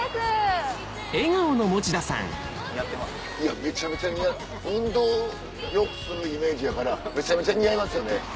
めちゃめちゃ似合う運動をよくするイメージやからめちゃめちゃ似合いますよね。